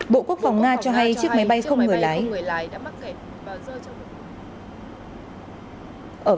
bộ quốc phòng nga cho hay chiếc máy bay không người lái đã mắc kẹt và rơ trong lực lượng